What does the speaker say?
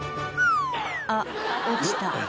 「あっ落ちた」